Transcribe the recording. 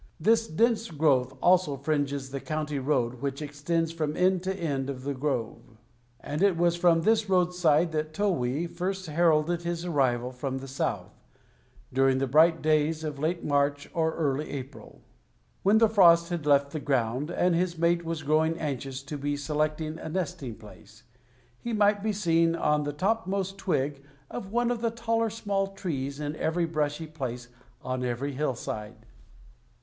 This dense growth also fringes the county road which extends from end to end of the grove, and it was from this roadside that towhee first heralded his arrival from the south, during the bright days of late March or early April. Later, when the frost had left the ground, and his mate was growing anxious to be selecting a nesting place, he might be seen on the topmost twig of one of the taller small trees in every brushy place on every hillside.